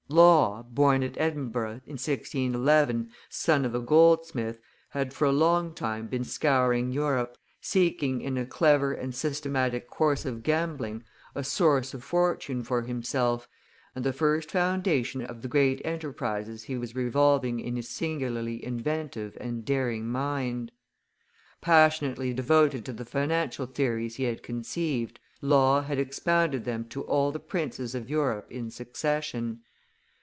[Illustration: John Law 62] Law, born at Edinburgh, in 1611, son of a goldsmith, had for a long time been scouring Europe, seeking in a clever and systematic course of gambling a source of fortune for himself, and the first foundation of the great enterprises he was revolving in his singularly inventive and daring mind. Passionately devoted to the financial theories he had conceived, Law had expounded them to all the princes of Europe in succession.